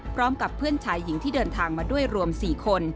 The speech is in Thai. พร้อมกับเพื่อนชายหญิงที่เดินทางมาด้วยรวม๔คน